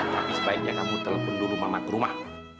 tapi sebaiknya kamu telepon dulu mama ke rumah